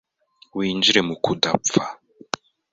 Winjire mu kudapfa